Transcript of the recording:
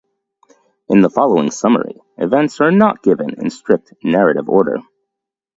In the following summary, events are not given in strict narrative order.